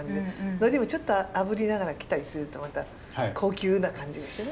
海苔もちょっとあぶりながらきたりするとまた高級な感じがしてね。